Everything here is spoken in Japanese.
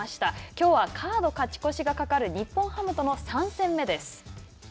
きょうはカード勝ち越しがかかる日本ハムとの３戦目です。